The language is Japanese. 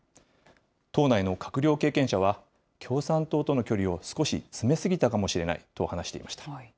党内の閣僚経験者は、共産党との距離を少し詰め過ぎたかもしれないと話していました。